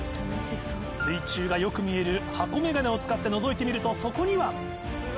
水中がよく見える箱メガネを使ってのぞいてみるとそこには。